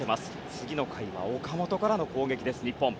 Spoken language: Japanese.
次の回は岡本からの攻撃です。